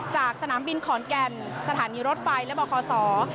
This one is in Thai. จากสนามบินขอนแก่นสถานีรถไฟและบคศ